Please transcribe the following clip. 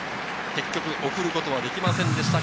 結局、送ることはできませんでした。